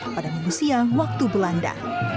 pada minggu siang waktu belanda